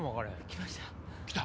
来ました。